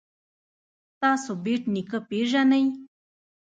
تاسو بېټ نیکه پيژنئ.